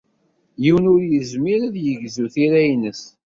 Yiwen ur yezmir ad yegzu tira-nnes.